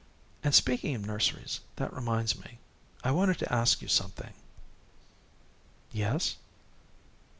"And speaking of nurseries that reminds me. I wanted to ask you something." "Yes?"